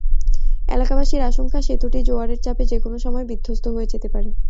এলাকাবাসীর আশঙ্কা, সেতুটি জোয়ারের চাপে যেকোনো সময় বিধ্বস্ত হয়ে যেতে পারে।